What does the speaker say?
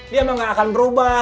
dia memang tidak akan berubah